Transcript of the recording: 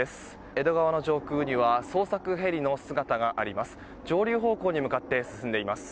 江戸川の上空には捜索ヘリの姿があります。